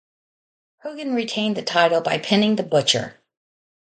Hogan retained the title by pinning the Butcher.